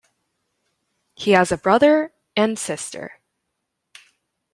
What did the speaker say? He has a brother and sister.